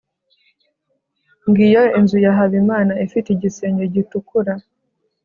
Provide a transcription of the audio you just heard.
ngiyo inzu ya habimana ifite igisenge gitukura